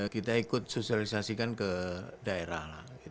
kita ikut sosialisasikan ke daerah